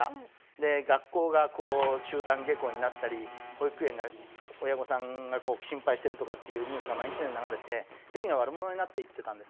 で学校が集団下校になったり保育園が親御さんが心配してるとかっていうニュースが毎日のように流れてヘビが悪者になっていってたんですね。